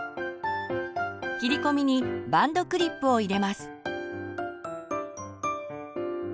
切り込みにバンドクリップを入れます。